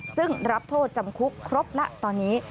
ซึ่งรับโทษจำคุกครบแล้วตอนนี้